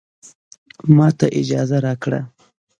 ماته اجازه راکړه